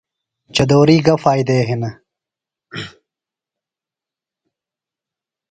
چدُوری گہ فائدےۡ ہنِہ؟